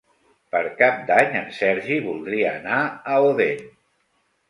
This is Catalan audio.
Per Cap d'Any en Sergi voldria anar a Odèn.